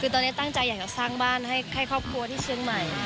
คือตอนนี้ตั้งใจอยากจะสร้างบ้านให้ครอบครัวที่เชียงใหม่